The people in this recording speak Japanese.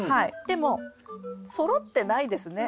でもそろってないですね。